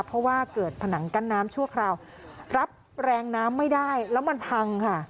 เพราะว่าเกิดผนังกั้นน้ำชั่วคราวรับแรงน้ำไม่ได้แล้วมันพังค่ะ